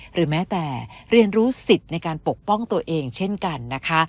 หรือแม้แต่เรียนรู้สิทธิ์ในการปกป้องตัวเองเช่นกันนะคะ